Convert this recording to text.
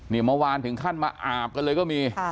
นี่เมื่อวานถึงขั้นมาอาบกันเลยก็มี